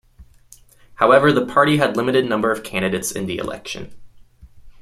However, the party had limited number of candidates in the election.